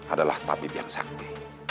adalah tapi biang sakti